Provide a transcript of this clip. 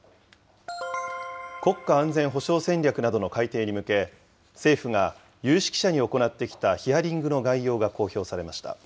国家安全保障戦略などの改定に向け、政府が、有識者に行ってきたヒアリングの概要が公表されました。